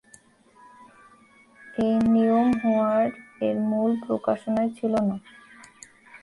এই নিয়ম হোয়ার-এর মূল প্রকাশনায় ছিল না।